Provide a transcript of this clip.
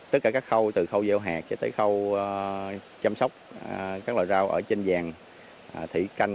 tất cả các khâu từ khâu dẻo hẹt cho tới khâu chăm sóc các loài rau ở trên vàng thủy canh